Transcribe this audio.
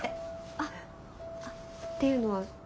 あっあっっていうのは？